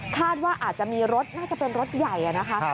คาดว่าอาจจะมีรถน่าจะเป็นรถใหญ่นะคะ